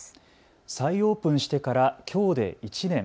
再オープンしてからきょうで１年。